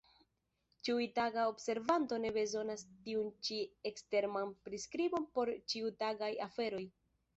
Ĉiutaga observanto ne bezonas tiun ĉi ekstreman priskribon por ĉiutagaj aferoj.